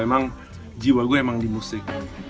emang jiwa gue emang di musik